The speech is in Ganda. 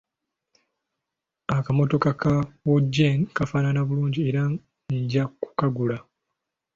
Akamotoka ka Wogen kafaanana bulungi era nja kukagula.